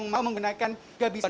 bima arya meny upbringing b braille